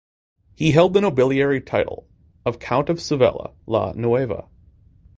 He held the nobiliary title of "Count of Sevilla la Nueva".